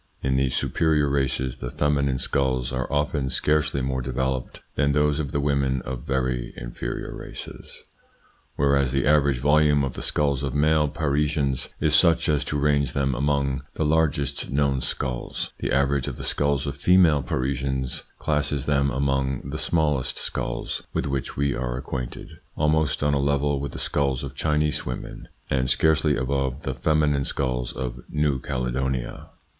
In these superior races the feminine skulls are often scarcely more developed than those of the women of very inferior races. Whereas the average volume of the skulls of male Parisians is such as to range them among the largest known skulls, the average of the skulls of female Parisians classes them among the smallest skulls with which we are acquainted, almost on a level with the skulls of Chinese women, and scarcely above the feminine skulls of New Caledonia.